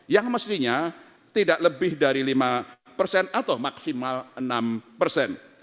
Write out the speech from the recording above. yang mestinya tidak lebih dari lima persen atau maksimal enam persen